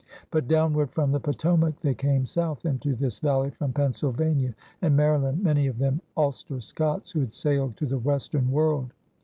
But downward from the Potomac, they came south into this valley, from Pennsylvania and Maryland, many of them Ulster Scots who had sailed to the western world.